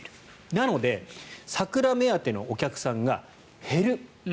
なので桜目当てのお客さんが減る。